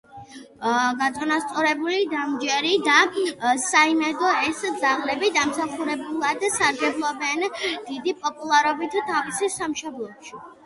გაწონასწორებული, დამჯერი და საიმედო ეს ძაღლები დამსახურებულად სარგებლობენ დიდი პოპულარობით თავის სამშობლოში.